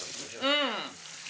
うん。